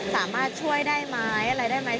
สามารถช่วยได้ไหมอะไรได้ไหม